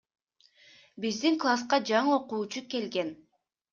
Биздин класска жаңы окуучу келген.